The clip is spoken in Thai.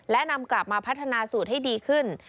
และนำกลับมาพัฒนาสูตรให้ดีขึ้น